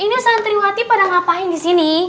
ini santriwati pada ngapain di sini